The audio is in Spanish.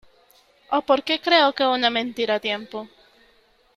o porque creo que una mentira a tiempo